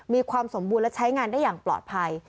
มีความสมบูรณ์และใช้งานได้อย่างปลอดภัย